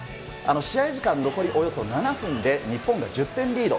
試合時間残りおよそ７分で、日本が１０点リード。